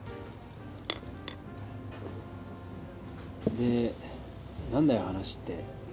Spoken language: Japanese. でなんだよ「話」って。